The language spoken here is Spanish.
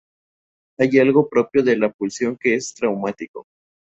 Hay algo propio de la pulsión que es traumático.